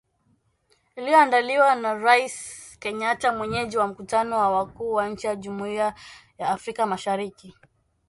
Iliyoandaliwa na Rais Kenyatta mwenyeji wa mkutano wa wakuu wa nchi za Jumuiya ya Afrika mashariki.